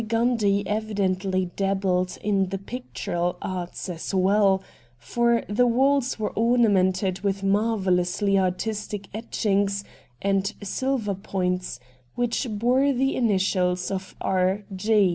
Gundy evidently dabbled in the pictorial arts as well, for the walls were ornamented with marvellously artistic etchings and ' silver points,' which bore the initials of E.